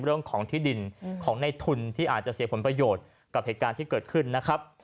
เรื่องของที่ดินของในทุนที่อาจจะเสียผลประโยชน์กับเหตุการณ์ที่เกิดขึ้นนะครับ